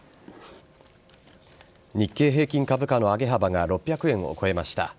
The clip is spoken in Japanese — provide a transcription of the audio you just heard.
日経平均株価の上げ幅が６００円を超えました。